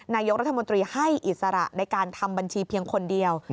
นายกรัฐมนตรีให้อิสระในการทำบัญชีเพียงคนเดียว